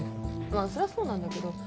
まぁそりゃそうなんだけど。